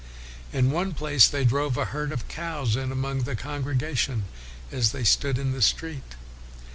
In one place they drove a herd of cows in among the congrega WESLEY 313 tion as they stood in the street.